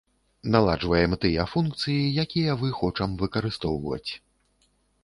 Наладжваем тыя функцыі, якія вы хочам выкарыстоўваць.